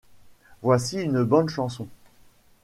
Voici une bonne chanson!